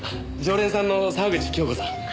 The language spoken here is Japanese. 常連さんの沢口京子さん。